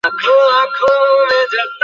আমার একপ্রকার জোর করে নিয়ে এসেছে।